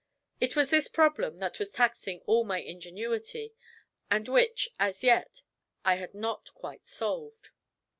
It was this problem that was taxing all my ingenuity, and which, as yet, I had not quite solved.